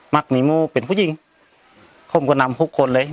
ักมีโมเป็นผู้หญิงผมก็นำทุกคนเลย